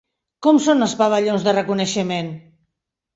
Com són els pavellons de reconeixement?